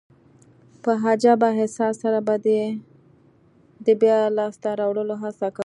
په عجبه احساس سره به دي يي د بیا لاسته راوړلو هڅه کول.